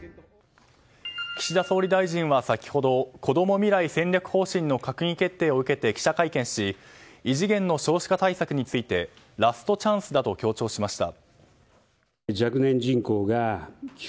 岸田総理大臣は先ほどこども未来戦略方針の閣議決定を受けて記者会見し異次元の少子化対策についてラストチャンスだと強調しました。